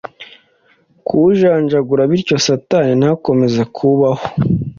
kuwujanjagura bityo Satani ntakomeze kubaho